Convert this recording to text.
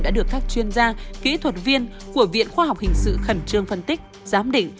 đã được các chuyên gia kỹ thuật viên của viện khoa học hình sự khẩn trương phân tích giám định